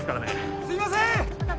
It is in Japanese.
すいません！